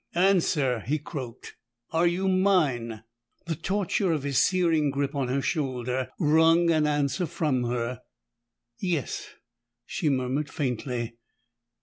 "Answer!" he croaked. "Are you mine?" The torture of his searing grip on her shoulder wrung an answer from her. "Yes," she murmured faintly.